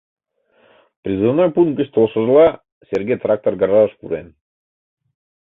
Призывной пункт гыч толшыжла, Серге трактор гаражыш пурен.